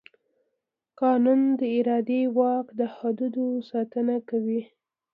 قانون د اداري واک د حدودو ساتنه کوي.